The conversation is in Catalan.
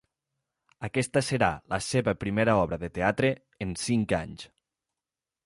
Aquesta serà la seva primera obra de teatre en cinc anys.